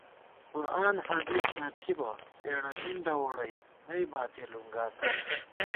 قرآن حدیث نہ تھِبہ، اېڑہ مِنڈہ ووڑَئی نئی باتِیہ لُنگاتہ